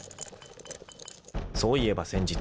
［そういえば先日］